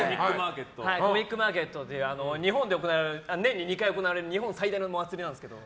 コミックマーケットという日本で年に２回行われる日本最大のお祭りなんですけど。